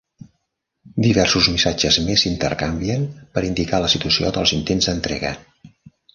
Diversos missatges més s'intercanvien per indicar la situació dels intents d'entrega.